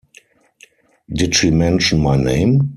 Did She Mention My Name?